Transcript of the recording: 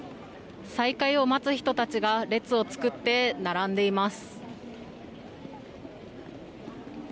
再開を待つ人たちが列を作って並んでいます。